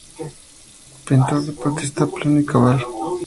Pintor, deportista pleno y cabal.